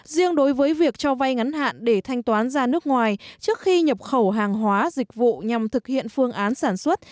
riêng đối với việc cho vay ngắn hạn để thanh toán ra nước ngoài trước khi nhập khẩu hàng hóa dịch vụ nhằm thực hiện phương án sản xuất